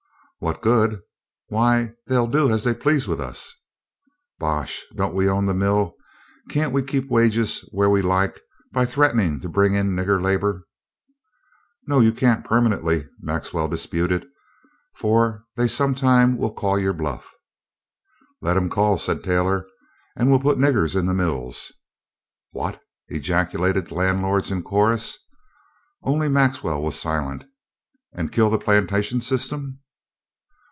"What good! Why, they'll do as they please with us." "Bosh! Don't we own the mill? Can't we keep wages where we like by threatening to bring in nigger labor?" "No, you can't, permanently," Maxwell disputed, "for they sometime will call your bluff." "Let 'em call," said Taylor, "and we'll put niggers in the mills." "What!" ejaculated the landlords in chorus. Only Maxwell was silent. "And kill the plantation system?"